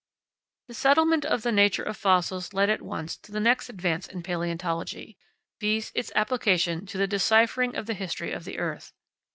The settlement of the nature of fossils led at once to the next advance of palaeontology, viz. its application to the deciphering of the history of the earth.